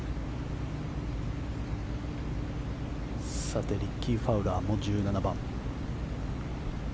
さて、リッキー・ファウラーも１７番。